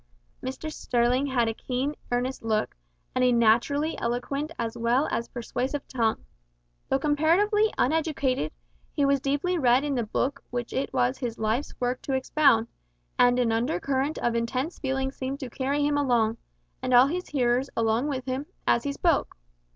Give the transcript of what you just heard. Mr Sterling had a keen, earnest look, and a naturally eloquent as well as persuasive tongue. Though comparatively uneducated, he was deeply read in the Book which it was his life's work to expound, and an undercurrent of intense feeling seemed to carry him along and his hearers along with him as he spoke.